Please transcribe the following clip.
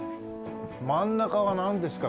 真ん中はなんですか？